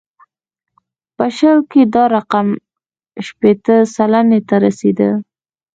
په شل کې دا رقم شپېته سلنې ته رسېده.